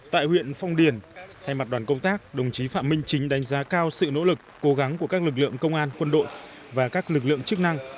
tại huyện phong điền thay mặt đoàn công tác đồng chí phạm minh chính đánh giá cao sự nỗ lực cố gắng của các lực lượng công an quân đội và các lực lượng chức năng